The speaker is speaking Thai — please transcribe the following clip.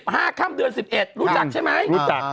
๑๕ข้ามเดือน๑๑รู้จักใช่ไหม